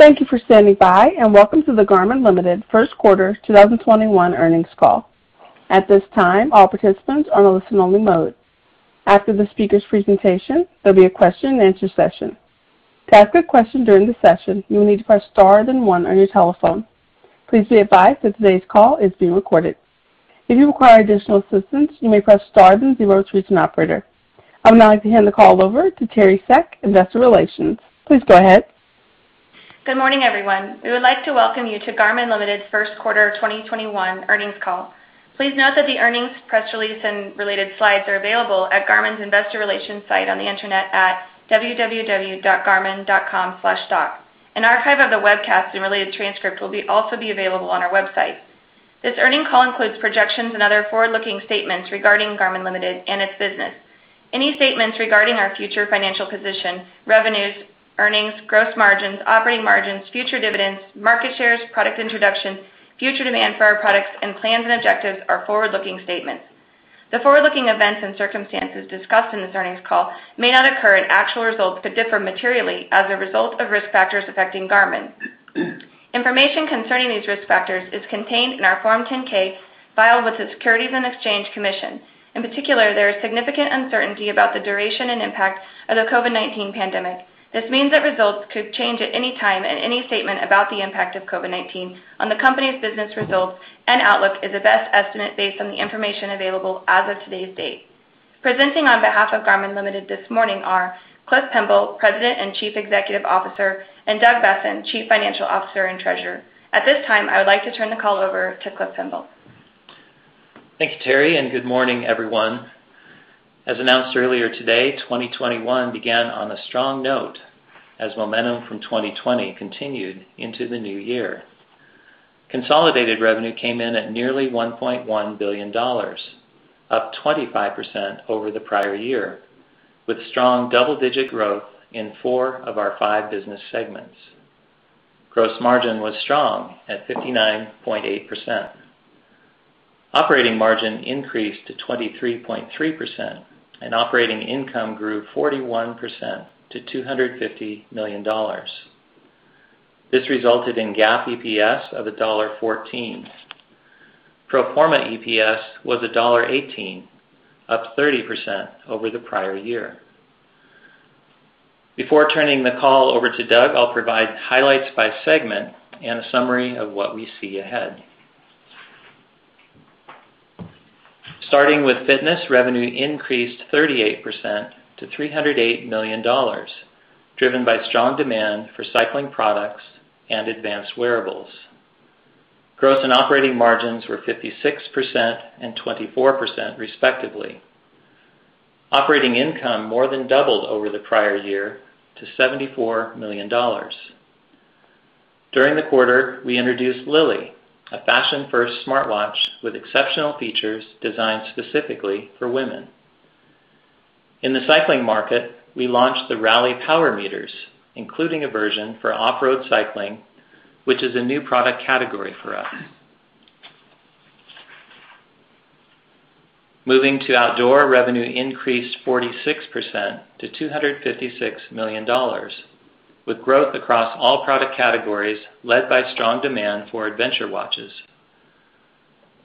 Thank you for standing by, and welcome to the Garmin Ltd. First Quarter 2021 Earnings Call. At this time, all participants are on a listen-only mode. After the speaker's presentation, there'll be a question and answer session. To ask a question during the session, you will need to press star then one on your telephone. Please be advised that today's call is being recorded. If you require additional assistance, you may press star then zero to reach an operator. I would now like to hand the call over to Teri Seck, Investor Relations. Please go ahead. Good morning, everyone. We would like to welcome you to Garmin Ltd.'s First Quarter 2021 Earnings Call. Please note that the earnings press release and related slides are available at Garmin's Investor Relations site on the internet at www.garmin.com/stock. An archive of the webcast and related transcript will also be available on our website. This earning call includes projections and other forward-looking statements regarding Garmin Ltd. and its business. Any statements regarding our future financial position, revenues, earnings, gross margins, operating margins, future dividends, market shares, product introductions, future demand for our products, and plans and objectives are forward-looking statements. The forward-looking events and circumstances discussed in this earnings call may not occur, and actual results could differ materially as a result of risk factors affecting Garmin. Information concerning these risk factors is contained in our Form 10-K filed with the Securities and Exchange Commission. In particular, there is significant uncertainty about the duration and impact of the COVID-19 pandemic. This means that results could change at any time, and any statement about the impact of COVID-19 on the company's business results and outlook is a best estimate based on the information available as of today's date. Presenting on behalf of Garmin Ltd. this morning are Clifton Pemble, President and Chief Executive Officer, and Douglas Boessen, Chief Financial Officer and Treasurer. At this time, I would like to turn the call over to Clifton Pemble. Thank you, Teri, good morning, everyone. As announced earlier today, 2021 began on a strong note as momentum from 2020 continued into the new year. Consolidated revenue came in at nearly $1.1 billion, up 25% over the prior year, with strong double-digit growth in four of our five business segments. Gross margin was strong at 59.8%. Operating margin increased to 23.3%, and operating income grew 41% to $250 million. This resulted in GAAP EPS of $1.14. Pro forma EPS was $1.18, up 30% over the prior year. Before turning the call over to Doug, I'll provide highlights by segment and a summary of what we see ahead. Starting with fitness, revenue increased 38% to $308 million, driven by strong demand for cycling products and advanced wearables. Gross and operating margins were 56% and 24% respectively. Operating income more than doubled over the prior year to $74 million. During the quarter, we introduced Lily, a fashion-first smartwatch with exceptional features designed specifically for women. In the cycling market, we launched the Rally power meters, including a version for off-road cycling, which is a new product category for us. Moving to outdoor, revenue increased 46% to $256 million, with growth across all product categories led by strong demand for adventure watches.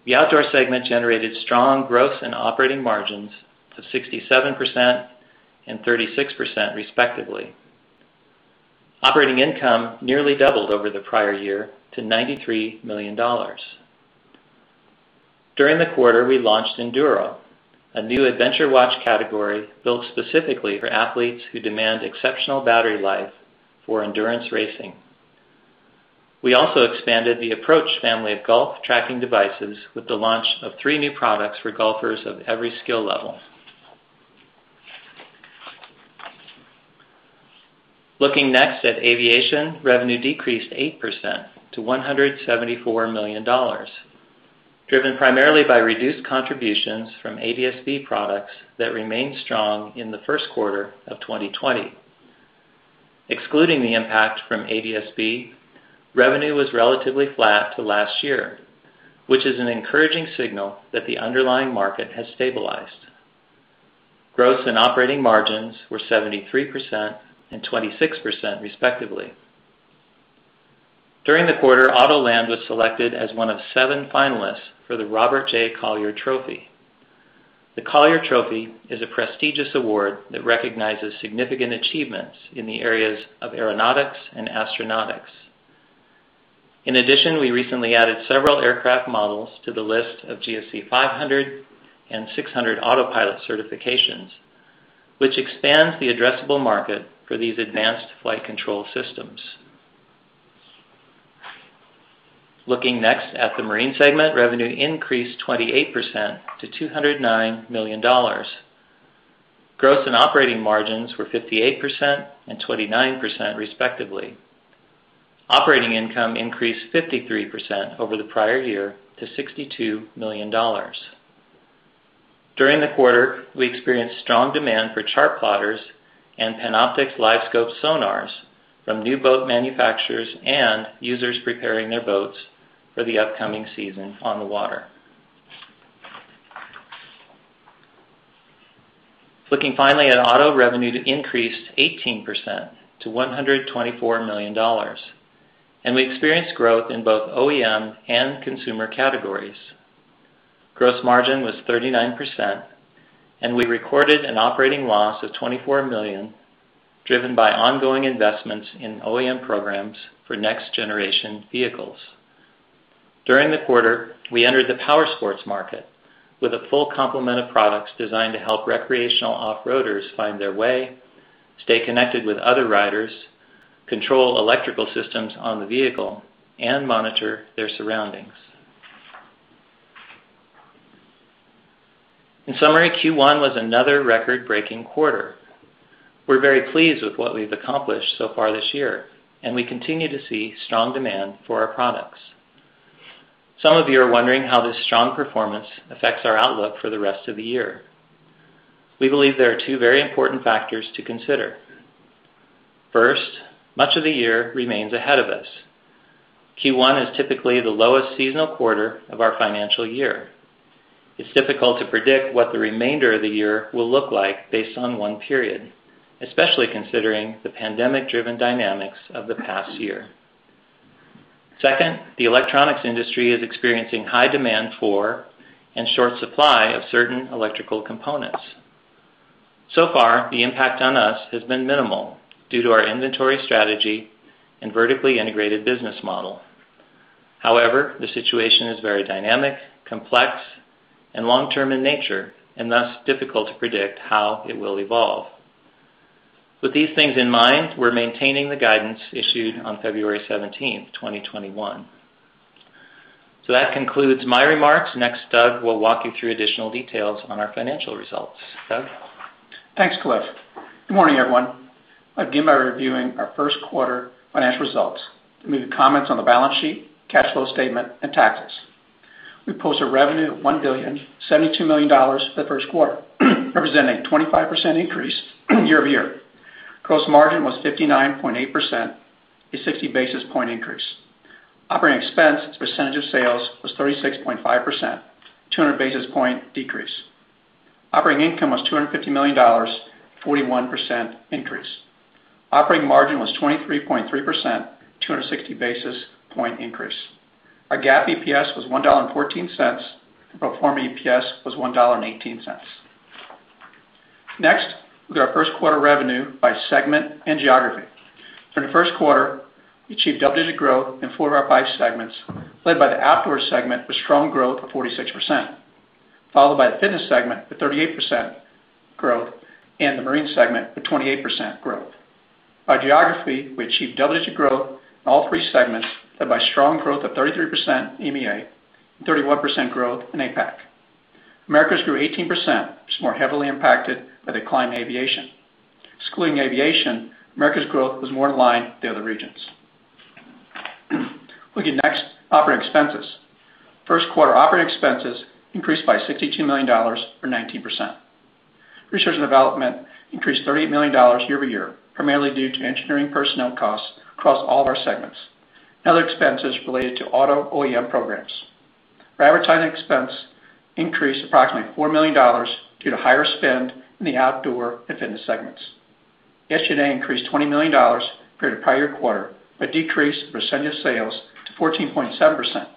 The outdoor segment generated strong growth in operating margins to 67% and 36% respectively. Operating income nearly doubled over the prior year to $93 million. During the quarter, we launched Enduro, a new adventure watch category built specifically for athletes who demand exceptional battery life for endurance racing. We also expanded the Approach family of golf tracking devices with the launch of three new products for golfers of every skill level. Looking next at aviation, revenue decreased 8% to $174 million, driven primarily by reduced contributions from ADS-B products that remained strong in the first quarter of 2020. Excluding the impact from ADS-B, revenue was relatively flat to last year, which is an encouraging signal that the underlying market has stabilized. Gross and operating margins were 73% and 26% respectively. During the quarter, Autoland was selected as one of seven finalists for the Robert J. Collier Trophy. The Collier Trophy is a prestigious award that recognizes significant achievements in the areas of aeronautics and astronautics. In addition, we recently added several aircraft models to the list of GFC 500 and 600 autopilot certifications, which expands the addressable market for these advanced flight control systems. Looking next at the marine segment, revenue increased 28% to $209 million. Gross and operating margins were 58% and 29% respectively. Operating income increased 53% over the prior year to $62 million. During the quarter, we experienced strong demand for chart plotters and Panoptix LiveScope sonars from new boat manufacturers and users preparing their boats for the upcoming season on the water. Looking finally at auto revenue that increased 18% to $124 million. We experienced growth in both OEM and consumer categories. Gross margin was 39%. We recorded an operating loss of $24 million, driven by ongoing investments in OEM programs for next generation vehicles. During the quarter, we entered the powersports market with a full complement of products designed to help recreational off-roaders find their way, stay connected with other riders, control electrical systems on the vehicle, and monitor their surroundings. In summary, Q1 was another record-breaking quarter. We're very pleased with what we've accomplished so far this year. We continue to see strong demand for our products. Some of you are wondering how this strong performance affects our outlook for the rest of the year. We believe there are two very important factors to consider. First, much of the year remains ahead of us. Q1 is typically the lowest seasonal quarter of our financial year. It's difficult to predict what the remainder of the year will look like based on one period, especially considering the pandemic-driven dynamics of the past year. Second, the electronics industry is experiencing high demand for and short supply of certain electrical components. So far, the impact on us has been minimal due to our inventory strategy and vertically integrated business model. However, the situation is very dynamic, complex, and long-term in nature, and thus difficult to predict how it will evolve. With these things in mind, we're maintaining the guidance issued on February 17th, 2021. That concludes my remarks. Next, Doug will walk you through additional details on our financial results. Doug? Thanks, Clifton. Good morning, everyone. I begin by reviewing our first quarter financial results, and leave comments on the balance sheet, cash flow statement, and taxes. We posted revenue of $1.072 billion for the first quarter, representing a 25% increase year-over-year. Gross margin was 59.8%, a 60-basis-point increase. Operating expense as a percentage of sales was 36.5%, 200-basis-point decrease. Operating income was $250 million, a 41% increase. Operating margin was 23.3%, 260-basis-point increase. Our GAAP EPS was $1.14, and pro forma EPS was $1.18. Look at our first quarter revenue by segment and geography. During the first quarter, we achieved double-digit growth in four of our five segments, led by the outdoor segment with strong growth of 46%, followed by the fitness segment with 38% growth and the marine segment with 28% growth. By geography, we achieved double-digit growth in all three segments, led by strong growth of 33% in EMEA and 31% growth in APAC. Americas grew 18%, which is more heavily impacted by the decline in aviation. Excluding aviation, Americas growth was more in line with the other regions. Looking next, operating expenses. First quarter operating expenses increased by $62 million or 19%. Research and development increased $38 million year-over-year, primarily due to engineering personnel costs across all of our segments and other expenses related to auto OEM programs. Our advertising expense increased approximately $4 million due to higher spend in the outdoor and fitness segments. SG&A increased $20 million compared to prior quarter, decreased as a percentage of sales to 14.7%,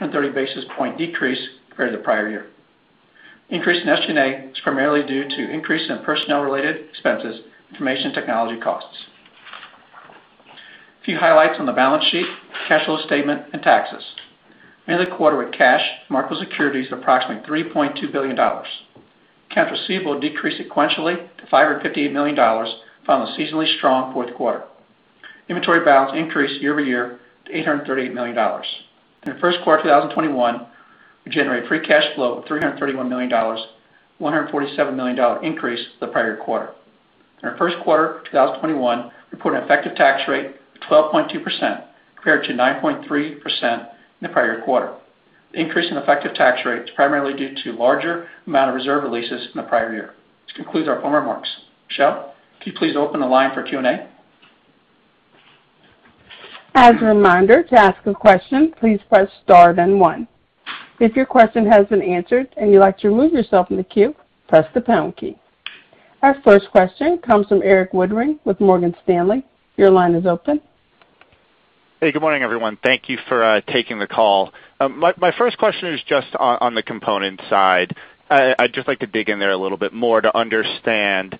130-basis-point decrease compared to the prior year. The increase in SG&A is primarily due to increase in personnel-related expenses, information technology costs. A few highlights on the balance sheet, cash flow statement and taxes. We ended the quarter with cash and marketable securities of approximately $3.2 billion. Accounts receivable decreased sequentially to $558 million from the seasonally strong fourth quarter. Inventory balance increased year-over-year to $838 million. In the first quarter of 2021, we generated free cash flow of $331 million, a $147 million increase to the prior quarter. In our first quarter of 2021, we put an effective tax rate of 12.2% compared to 9.3% in the prior quarter. The increase in effective tax rate is primarily due to larger amount of reserve releases in the prior year. This concludes our formal remarks. Michelle, could you please open the line for Q&A? As a reminder, to ask a question, please press star then one. If your question has been answered and you'd like to remove yourself from the queue, press the pound key. Our first question comes from Erik Woodring with Morgan Stanley. Your line is open. Hey, good morning, everyone. Thank you for taking the call. My first question is just on the component side. I'd just like to dig in there a little bit more to understand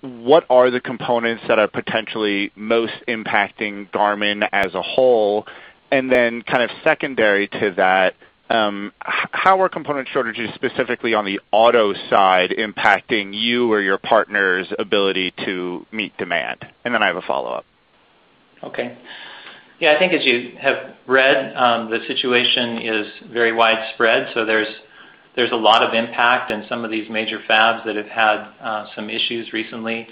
what are the components that are potentially most impacting Garmin as a whole, and then kind of secondary to that, how are component shortages specifically on the auto side impacting you or your partners' ability to meet demand? Then I have a follow-up. Okay. Yeah, I think as you have read, the situation is very widespread, so there's a lot of impact in some of these major fabs that have had some issues recently.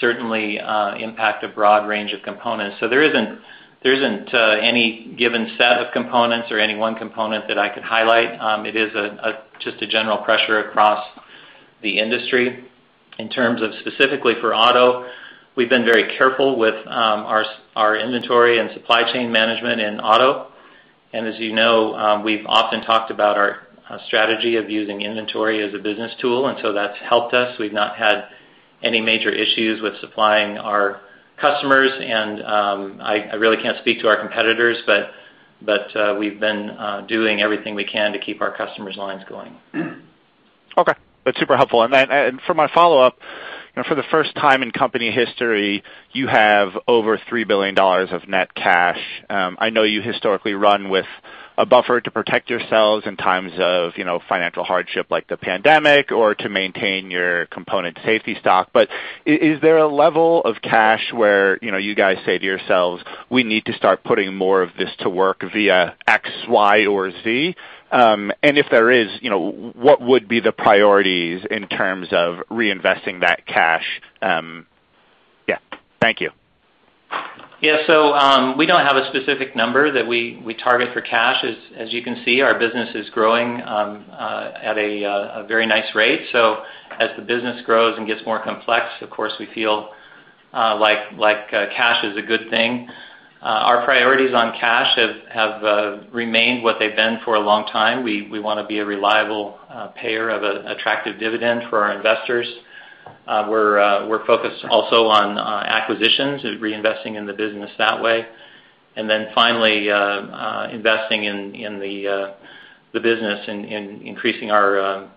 Certainly impact a broad range of components. There isn't any given set of components or any one component that I could highlight. It is just a general pressure across the industry. In terms of specifically for auto, we've been very careful with our inventory and supply chain management in auto. As you know, we've often talked about our strategy of using inventory as a business tool, and so that's helped us. We've not had any major issues with supplying our customers. I really can't speak to our competitors, but we've been doing everything we can to keep our customers' lines going. Okay. That's super helpful. For my follow-up, for the first time in company history, you have over $3 billion of net cash. I know you historically run with a buffer to protect yourselves in times of financial hardship like the pandemic or to maintain your component safety stock. Is there a level of cash where you guys say to yourselves, "We need to start putting more of this to work via X, Y, or Z"? If there is, what would be the priorities in terms of reinvesting that cash? Yeah. Thank you. We don't have a specific number that we target for cash. As you can see, our business is growing at a very nice rate. As the business grows and gets more complex, of course, we feel like cash is a good thing. Our priorities on cash have remained what they've been for a long time. We want to be a reliable payer of attractive dividend for our investors. We're focused also on acquisitions and reinvesting in the business that way. Finally, investing in the business, in increasing our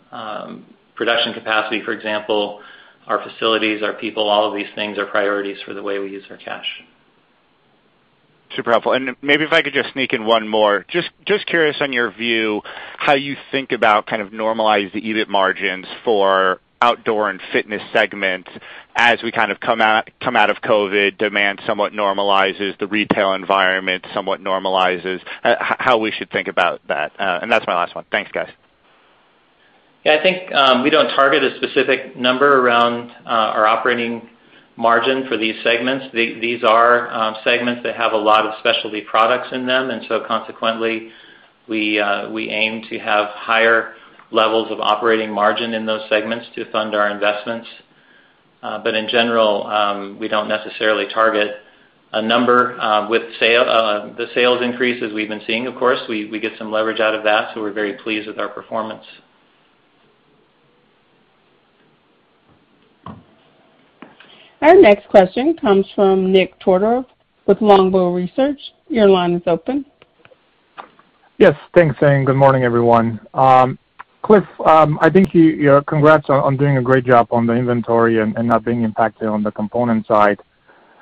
production capacity, for example, our facilities, our people, all of these things are priorities for the way we use our cash. Super helpful. Maybe if I could just sneak in one more. Just curious on your view, how you think about kind of normalized EBIT margins for outdoor and fitness segments as we kind of come out of COVID, demand somewhat normalizes, the retail environment somewhat normalizes, how we should think about that? That's my last one. Thanks, guys. I think, we don't target a specific number around our operating margin for these segments. These are segments that have a lot of specialty products in them, consequently, we aim to have higher levels of operating margin in those segments to fund our investments. In general, we don't necessarily target a number. With the sales increases we've been seeing, of course, we get some leverage out of that. We're very pleased with our performance. Our next question comes from Nikolay Todorov with Longbow Research. Your line is open. Yes, thanks team. Good morning, everyone. Clifton, congrats on doing a great job on the inventory and not being impacted on the component side.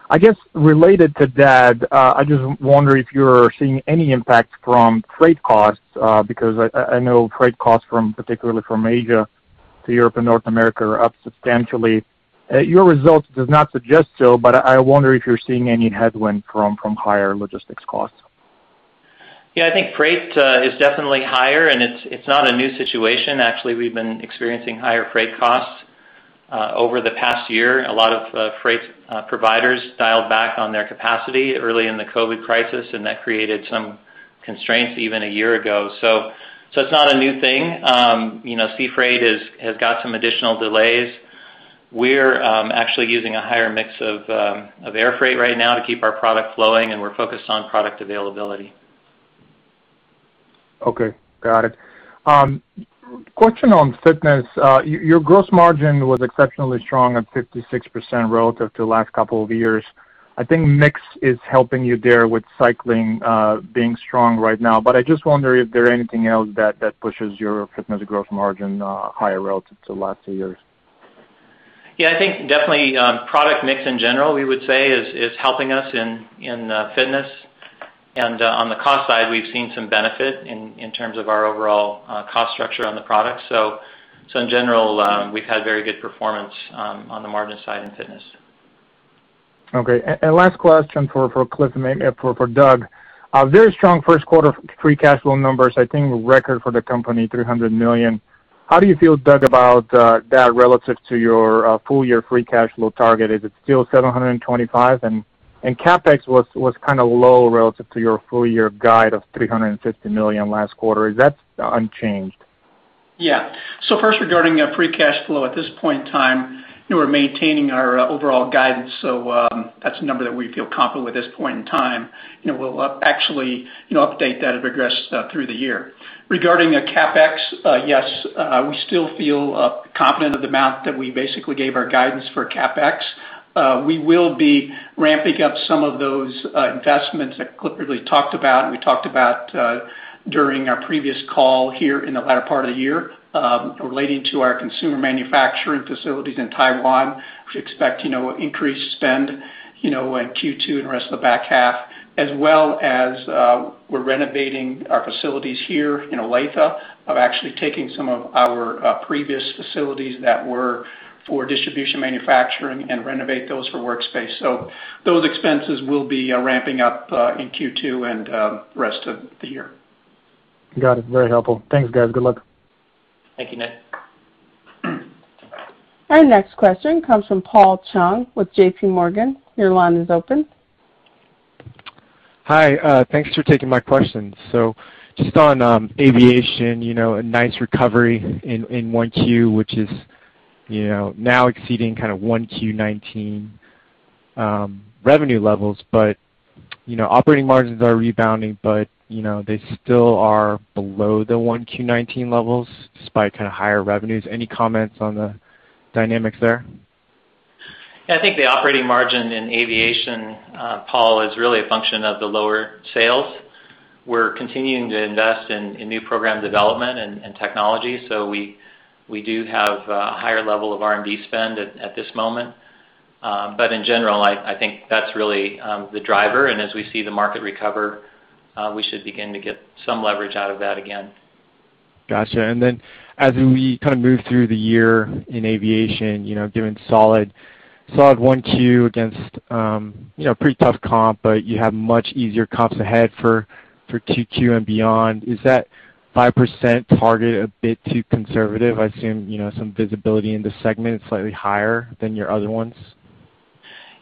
I guess related to that, I just wonder if you're seeing any impact from freight costs, because I know freight costs particularly from Asia to Europe and North America are up substantially. Your results does not suggest so, but I wonder if you're seeing any headwind from higher logistics costs. Yeah, I think freight is definitely higher, and it's not a new situation. Actually, we've been experiencing higher freight costs over the past year. A lot of freight providers dialed back on their capacity early in the COVID-19 crisis, and that created some constraints even a year ago. It's not a new thing. Sea freight has got some additional delays. We're actually using a higher mix of air freight right now to keep our product flowing, and we're focused on product availability. Okay, got it. Question on fitness. Your gross margin was exceptionally strong at 56% relative to last couple of years. I think mix is helping you there with cycling being strong right now. I just wonder if there anything else that pushes your fitness gross margin higher relative to last two years. Yeah, I think definitely product mix in general, we would say, is helping us in fitness. On the cost side, we've seen some benefit in terms of our overall cost structure on the product. In general, we've had very good performance on the margin side in fitness. Okay. Last question for Clifton and maybe for Doug. Very strong first quarter free cash flow numbers, I think a record for the company, $300 million. How do you feel, Doug, about that relative to your full year free cash flow target? Is it still $725 million? CapEx was kind of low relative to your full year guide of $350 million last quarter. Is that unchanged? Yeah. First, regarding free cash flow at this point in time, we're maintaining our overall guidance. That's a number that we feel confident with at this point in time. We'll actually update that as it progresses through the year. Regarding CapEx, yes, we still feel confident of the amount that we basically gave our guidance for CapEx. We will be ramping up some of those investments that Clifton really talked about, and we talked about during our previous call here in the latter part of the year, relating to our consumer manufacturing facilities in Taiwan. We expect increased spend in Q2 and the rest of the back half, as well as we're renovating our facilities here in Olathe of actually taking some of our previous facilities that were for distribution manufacturing and renovate those for workspace. Those expenses will be ramping up in Q2 and the rest of the year. Got it. Very helpful. Thanks, guys. Good luck. Thank you, Nik. Our next question comes from Paul Chung with JPMorgan. Your line is open. Hi. Thanks for taking my questions. Just on aviation, a nice recovery in 1Q, which is now exceeding kind of 1Q 2019 revenue levels. Operating margins are rebounding, but they still are below the 1Q 2019 levels, despite kind of higher revenues. Any comments on the dynamics there? Yeah, I think the operating margin in aviation, Paul, is really a function of the lower sales. We're continuing to invest in new program development and technology. We do have a higher level of R&D spend at this moment. In general, I think that's really the driver. As we see the market recover, we should begin to get some leverage out of that again. Got you. As we kind of move through the year in aviation, given solid 1Q against pretty tough comp, but you have much easier comps ahead for 2Q and beyond, is that 5% target a bit too conservative? I assume some visibility in this segment is slightly higher than your other ones.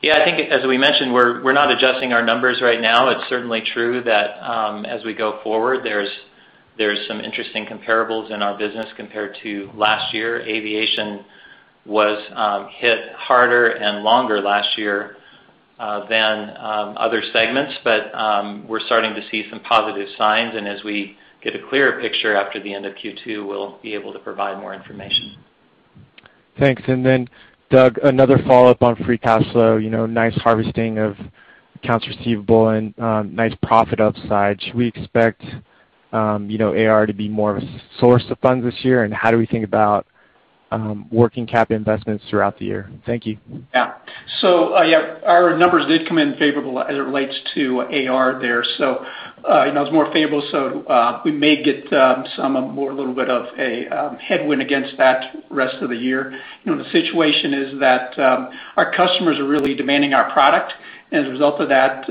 Yeah, I think as we mentioned, we're not adjusting our numbers right now. It's certainly true that as we go forward, there's some interesting comparables in our business compared to last year. Aviation was hit harder and longer last year than other segments. We're starting to see some positive signs, and as we get a clearer picture after the end of Q2, we'll be able to provide more information. Thanks. Then Doug, another follow-up on free cash flow. Nice harvesting of accounts receivable and nice profit upside. Should we expect AR to be more of a source of funds this year? How do we think about working capital investments throughout the year? Thank you. Yeah. Our numbers did come in favorable as it relates to AR there. It was more favorable, we may get some more little bit of a headwind against that rest of the year. The situation is that our customers are really demanding our product, and as a result of that,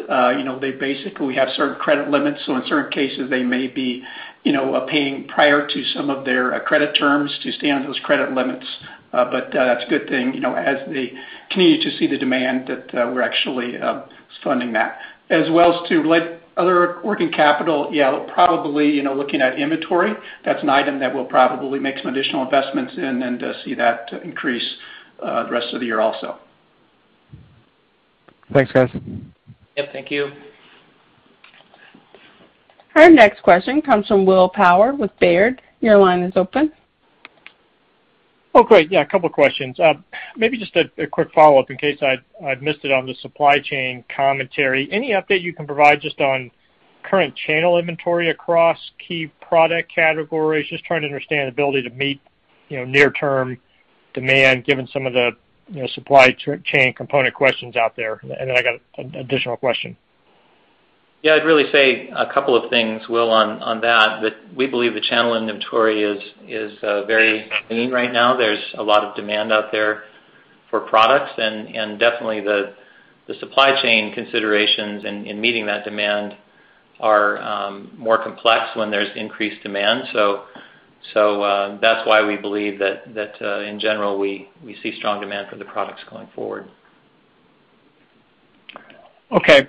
they basically have certain credit limits. In certain cases, they may be paying prior to some of their credit terms to stay on those credit limits. That's a good thing as they continue to see the demand that we're actually funding that. As well as to other working capital, yeah, probably looking at inventory. That's an item that we'll probably make some additional investments in and see that increase the rest of the year also. Thanks, guys. Yep, thank you. Our next question comes from William Power with Baird. Your line is open. Oh, great. Yeah, a couple of questions. Maybe just a quick follow-up in case I've missed it on the supply chain commentary. Any update you can provide just on current channel inventory across key product categories? Just trying to understand the ability to meet near-term demand, given some of the supply chain component questions out there. I got an additional question. Yeah, I'd really say a couple of things, Will, on that. That we believe the channel inventory is very clean right now. There's a lot of demand out there for products, and definitely the supply chain considerations in meeting that demand are more complex when there's increased demand. That's why we believe that in general, we see strong demand for the products going forward. Okay.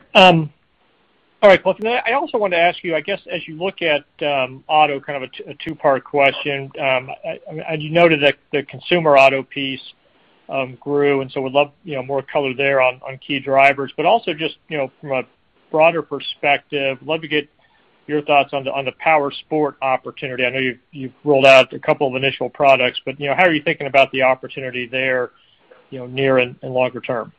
All right, Clifton, I also wanted to ask you, I guess, as you look at auto, kind of a two-part question. As you noted that the consumer auto piece grew, and so would love more color there on key drivers. Just from a broader perspective, love to get your thoughts on the powersport opportunity. I know you've rolled out a couple of initial products, but how are you thinking about the opportunity there near and longer term?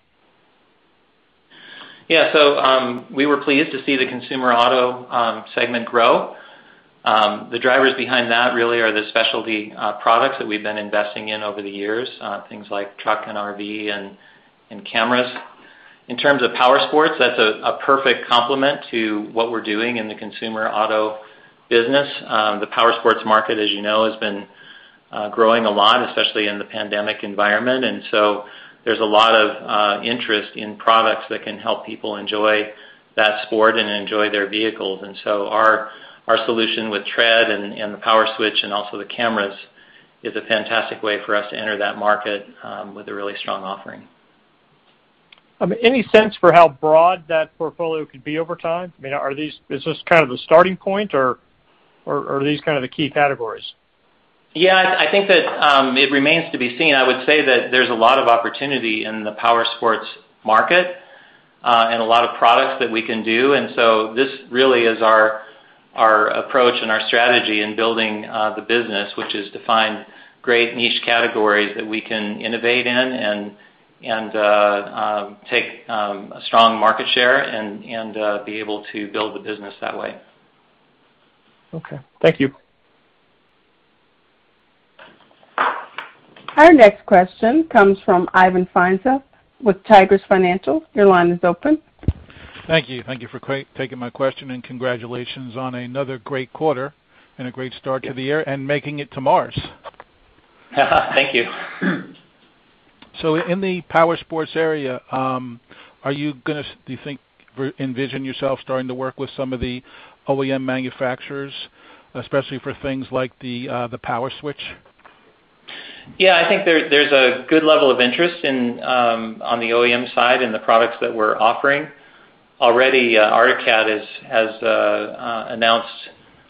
We were pleased to see the consumer auto segment grow. The drivers behind that really are the specialty products that we've been investing in over the years. Things like truck and RV and cameras. In terms of powersports, that's a perfect complement to what we're doing in the consumer auto business. The powersports market, as you know, has been growing a lot, especially in the pandemic environment. There's a lot of interest in products that can help people enjoy that sport and enjoy their vehicles. Our solution with Tread and the PowerSwitch and also the cameras is a fantastic way for us to enter that market with a really strong offering. Any sense for how broad that portfolio could be over time? Is this kind of the starting point, or are these kind of the key categories? Yeah, I think that it remains to be seen. I would say that there's a lot of opportunity in the powersports market and a lot of products that we can do. This really is our approach and our strategy in building the business. Which is to find great niche categories that we can innovate in and take a strong market share and be able to build the business that way. Okay. Thank you. Our next question comes from Ivan Feinseth with Tigress Financial. Your line is open. Thank you. Thank you for taking my question, and congratulations on another great quarter and a great start to the year and making it to Mars. Thank you. In the powersports area, do you envision yourself starting to work with some of the OEM manufacturers, especially for things like the PowerSwitch? I think there's a good level of interest on the OEM side in the products that we're offering. Already, Arctic Cat has announced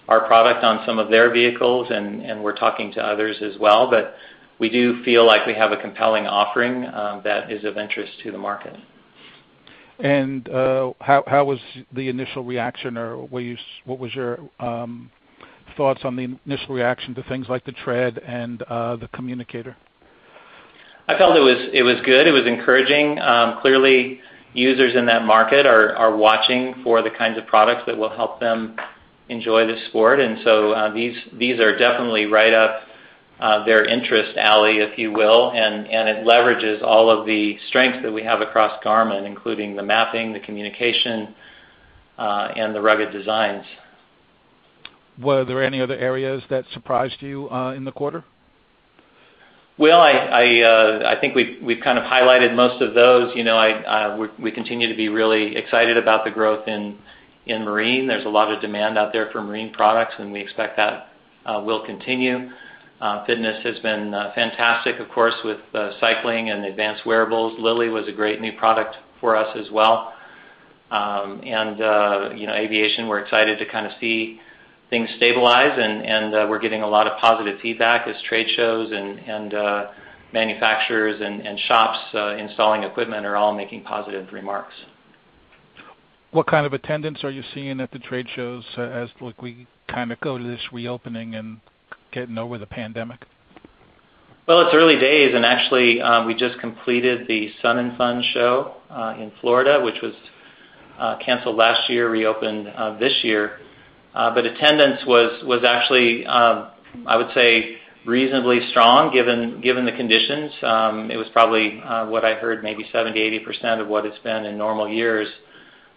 our product on some of their vehicles, and we're talking to others as well. We do feel like we have a compelling offering that is of interest to the market. How was the initial reaction, or what was your thoughts on the initial reaction to things like the Tread and the communicator? I felt it was good. It was encouraging. Clearly, users in that market are watching for the kinds of products that will help them enjoy the sport. These are definitely right up their interest alley, if you will, and it leverages all of the strengths that we have across Garmin, including the mapping, the communication, and the rugged designs. Were there any other areas that surprised you in the quarter? Well, I think we've kind of highlighted most of those. We continue to be really excited about the growth in marine. There's a lot of demand out there for marine products, and we expect that will continue. Fitness has been fantastic, of course, with cycling and advanced wearables. Lily was a great new product for us as well. Aviation, we're excited to kind of see things stabilize, and we're getting a lot of positive feedback as trade shows and manufacturers and shops installing equipment are all making positive remarks. What kind of attendance are you seeing at the trade shows as we kind of go to this reopening and getting over the pandemic? It's early days, actually, we just completed the SUN ’n FUN show in Florida, which was canceled last year, reopened this year. Attendance was actually, I would say, reasonably strong given the conditions. It was probably what I heard, maybe 70%, 80% of what it's been in normal years.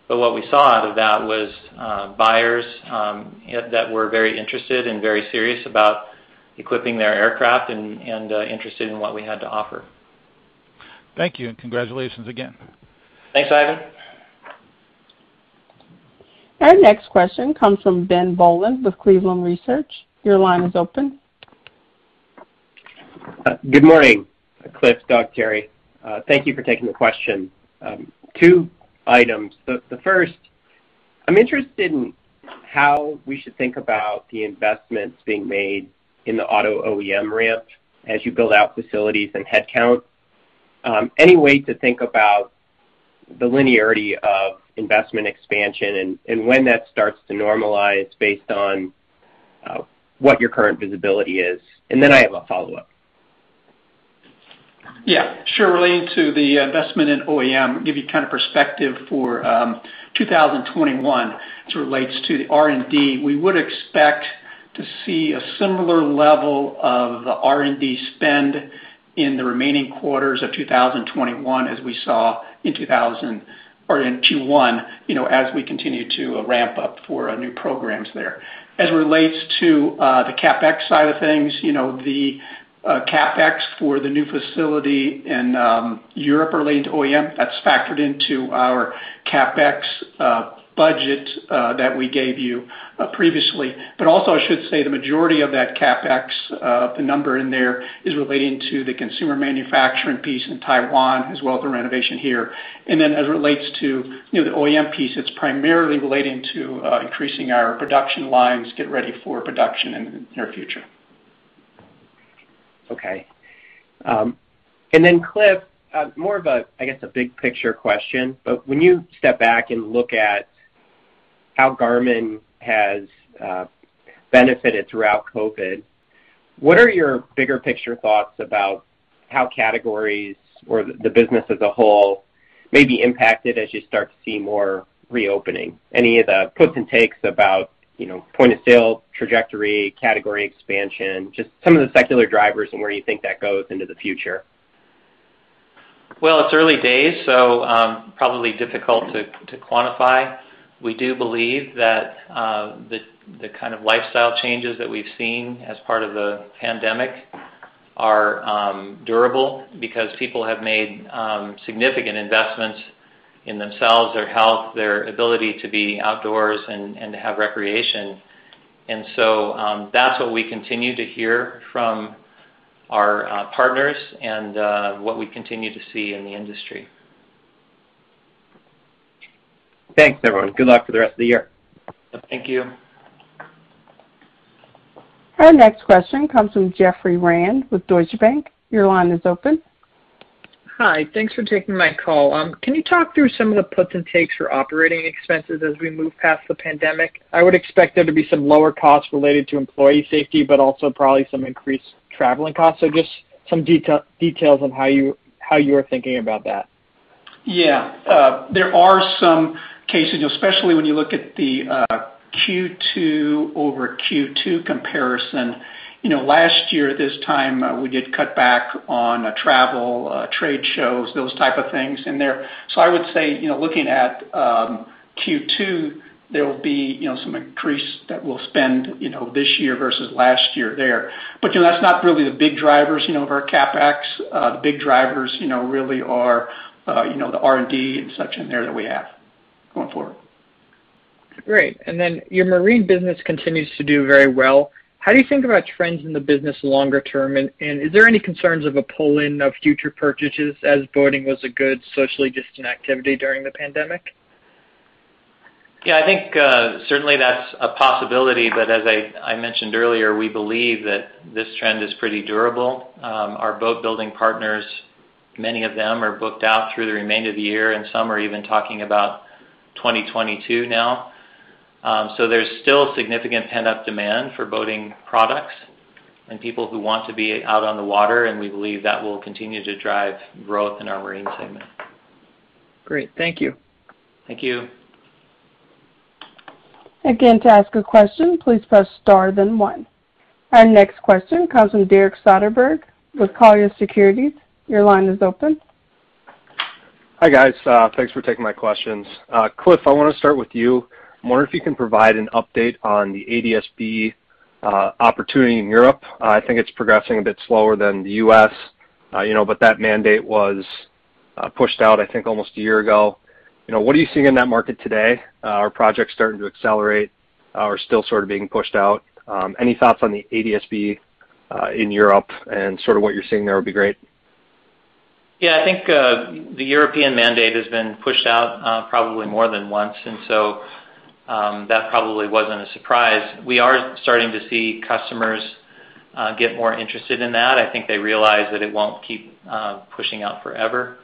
What we saw out of that was buyers that were very interested and very serious about equipping their aircraft and interested in what we had to offer. Thank you, and congratulations again. Thanks, Ivan. Our next question comes from Ben Bollin with Cleveland Research. Your line is open. Good morning, Clifton, Doug, Teri. Thank you for taking the question. Two items. The first, I'm interested in how we should think about the investments being made in the auto OEM ramp as you build out facilities and headcounts. Any way to think about the linearity of investment expansion and when that starts to normalize based on what your current visibility is? I have a follow-up. Yeah, sure. Relating to the investment in OEM, give you kind of perspective for 2021 as it relates to the R&D. We would expect to see a similar level of the R&D spend in the remaining quarters of 2021, as we saw in Q1, as we continue to ramp up for our new programs there. As it relates to the CapEx side of things, the CapEx for the new facility in Europe relating to OEM, that's factored into our CapEx budget that we gave you previously. Also, I should say the majority of that CapEx, the number in there, is relating to the consumer manufacturing piece in Taiwan, as well as the renovation here. As it relates to the OEM piece, it's primarily relating to increasing our production lines, get ready for production in the near future. Okay. Clifton, more of a big picture question, when you step back and look at how Garmin has benefited throughout COVID, what are your bigger picture thoughts about how categories or the business as a whole may be impacted as you start to see more reopening? Any of the puts and takes about point of sale trajectory, category expansion, just some of the secular drivers and where you think that goes into the future? Well, it's early days, probably difficult to quantify. We do believe that the kind of lifestyle changes that we've seen as part of the pandemic are durable because people have made significant investments in themselves, their health, their ability to be outdoors, and to have recreation. That's what we continue to hear from our partners and what we continue to see in the industry. Thanks, everyone. Good luck for the rest of the year. Thank you. Our next question comes from Jeffrey Rand with Deutsche Bank. Your line is open. Hi. Thanks for taking my call. Can you talk through some of the puts and takes for operating expenses as we move past the pandemic? I would expect there to be some lower costs related to employee safety, but also probably some increased traveling costs. Just some details on how you are thinking about that. Yeah. There are some cases, especially when you look at the Q2 over Q2 comparison. Last year at this time, we did cut back on travel, trade shows, those type of things in there. I would say, looking at Q2, there will be some increase that we'll spend this year versus last year there. That's not really the big drivers of our CapEx. The big drivers really are the R&D and such in there that we have going forward. Great. Your marine business continues to do very well. How do you think about trends in the business longer term, and is there any concerns of a pull-in of future purchases as boating was a good socially distant activity during the pandemic? Yeah, I think certainly that's a possibility. As I mentioned earlier, we believe that this trend is pretty durable. Our boat-building partners, many of them are booked out through the remainder of the year, and some are even talking about 2022 now. There's still significant pent-up demand for boating products and people who want to be out on the water, and we believe that will continue to drive growth in our marine segment. Great. Thank you. Thank you. Again, to ask a question, please press star then one. Our next question comes from Derek Soderberg with Colliers Securities. Your line is open. Hi, guys. Thanks for taking my questions. Clifton, I want to start with you. I wonder if you can provide an update on the ADS-B opportunity in Europe. I think it's progressing a bit slower than the U.S. That mandate was pushed out, I think, almost a year ago. What are you seeing in that market today? Are projects starting to accelerate or still sort of being pushed out? Any thoughts on the ADS-B in Europe and sort of what you're seeing there would be great. Yeah. I think the European mandate has been pushed out probably more than once. That probably wasn't a surprise. We are starting to see customers get more interested in that. I think they realize that it won't keep pushing out forever,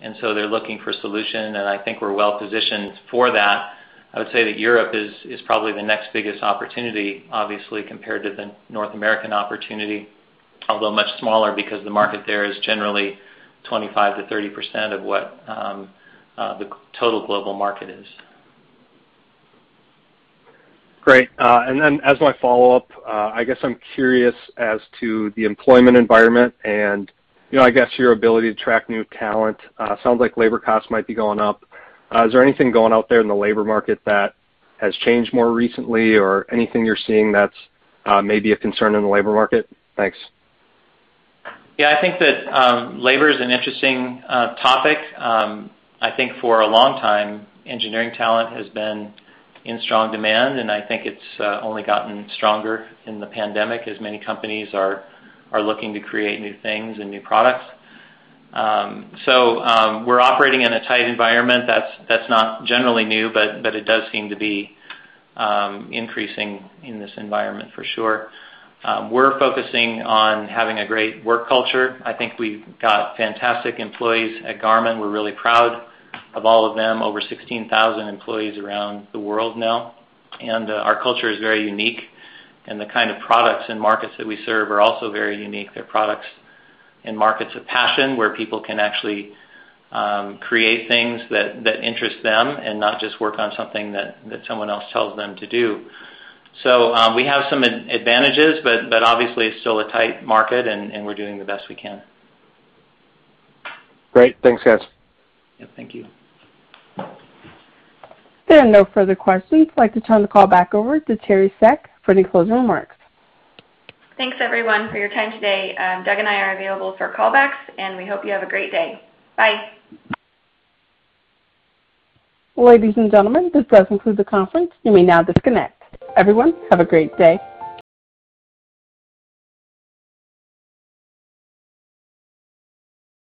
and so they're looking for a solution, and I think we're well-positioned for that. I would say that Europe is probably the next biggest opportunity, obviously, compared to the North American opportunity, although much smaller because the market there is generally 25%-30% of what the total global market is. Great. As my follow-up, I guess I'm curious as to the employment environment and I guess your ability to attract new talent. Sounds like labor costs might be going up. Is there anything going out there in the labor market that has changed more recently or anything you're seeing that's maybe a concern in the labor market? Thanks. Yeah. I think that labor is an interesting topic. I think for a long time, engineering talent has been in strong demand, and I think it's only gotten stronger in the pandemic as many companies are looking to create new things and new products. We're operating in a tight environment. That's not generally new, but it does seem to be increasing in this environment for sure. We're focusing on having a great work culture. I think we've got fantastic employees at Garmin. We're really proud of all of them. Over 16,000 employees around the world now. Our culture is very unique, and the kind of products and markets that we serve are also very unique. They're products and markets of passion where people can actually create things that interest them and not just work on something that someone else tells them to do. We have some advantages, but obviously, it's still a tight market, and we're doing the best we can. Great. Thanks, guys. Yeah. Thank you. There are no further questions. I'd like to turn the call back over to Teri Seck for any closing remarks. Thanks, everyone, for your time today. Doug and I are available for callbacks, and we hope you have a great day. Bye. Ladies and gentlemen, this does conclude the conference. You may now disconnect. Everyone, have a great day.